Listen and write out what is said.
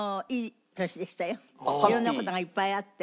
色んな事がいっぱいあって。